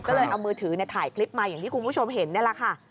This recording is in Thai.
ก็เลยเอามือถือถ่ายคลิปมาอย่างที่คุณผู้ชมเห็นนี่แหละค่ะ